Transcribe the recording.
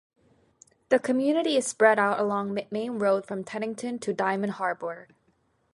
The community is spread out along the main road from Teddington to Diamond Harbour.